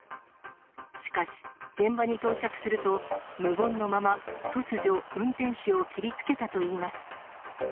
しかし、現場に到着すると、無言のまま、突如、運転手を切りつけたといいます。